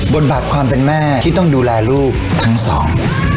บทบาทความเป็นแม่ที่ต้องดูแลลูกทั้งสอง